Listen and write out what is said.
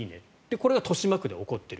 これが豊島区で起こっている。